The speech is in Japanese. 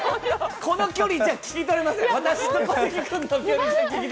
この距離じゃ聞き取れません。